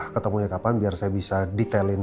ketemunya kapan biar saya bisa detailin